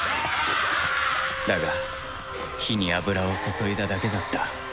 だが火に油を注いだだけだった。